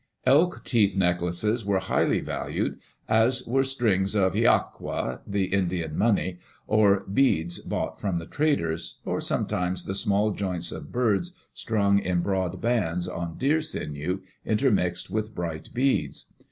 Elk teeth necklaces were highly valued, as were strings of hiaqua, the Indian money, or beads bought from the traders, or sometimes the small joints of birds strung in broad bands on deer sinew, intermixed with bright beads.